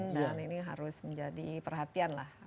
dan ini harus menjadi perhatian lah